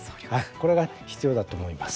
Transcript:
これが必要だと思います。